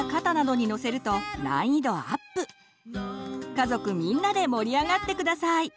家族みんなで盛り上がって下さい。